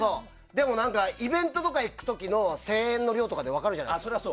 でも、イベントに行った時の声援の量で分かるじゃないですか。